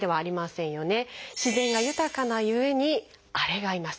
自然が豊かなゆえにあれがいます。